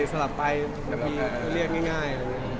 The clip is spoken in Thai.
เรียกไปสลับไปเรียกง่าย